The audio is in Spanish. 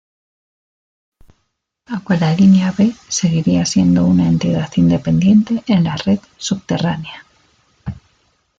Aunque la Línea B seguiría siendo una entidad independiente en la red subterránea.